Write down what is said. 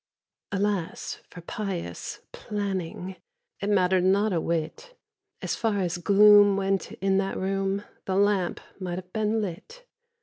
Alas for pious planning— It mattered not a whit! As far as gloom went in that room, The lamp might have been lit!